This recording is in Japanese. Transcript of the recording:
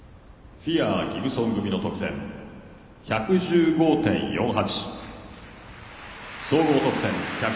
フィアー、ギブソン組の得点。１１５．４８。